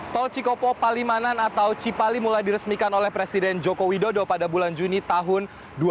tol cikopo palimanan atau cipali mulai diresmikan oleh presiden joko widodo pada bulan juni tahun dua ribu dua puluh